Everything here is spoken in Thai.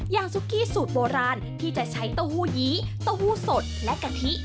ซุกี้สูตรโบราณที่จะใช้เต้าหู้ยี้เต้าหู้สดและกะทิ